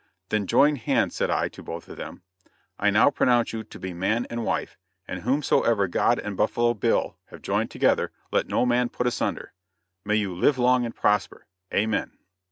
"Then join hands," said I to both of them; "I now pronounce you to be man and wife, and whomsoever God and Buffalo Bill have joined together let no man put asunder. May you live long and prosper. Amen."